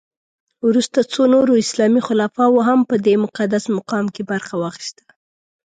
وروسته څو نورو اسلامي خلفاوو هم په دې مقدس مقام کې برخه واخیسته.